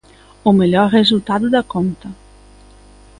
O mellor resultado da conta